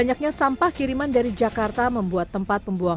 contohnya sekarang dita ini memimpin datangnya ngerit siapa semua ini